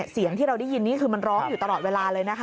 เสียงที่เราได้ยินนี่คือมันร้องอยู่ตลอดเวลาเลยนะคะ